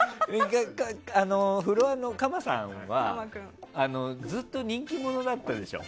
フロアのカマさんはずっと人気者だったでしょ。